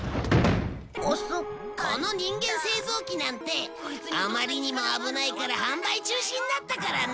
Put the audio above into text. この人間製造機なんてあまりにも危ないから販売中止になったからね